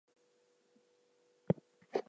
It was produced with same engine as a Tata Sierra.